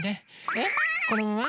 えっこのまま？